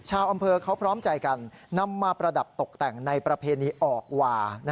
ชาวอำเภอเขาพร้อมใจกันนำมาประดับตกแต่งในประเพณีออกวา